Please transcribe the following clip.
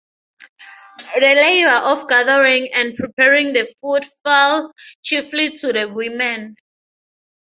The labor of gathering and preparing the food fell chiefly to the women.